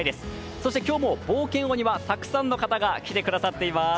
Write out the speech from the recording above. そして今日も冒険王にはたくさんの方が来てくださっています。